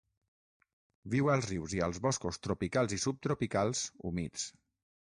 Viu als rius i als boscos tropicals i subtropicals humits.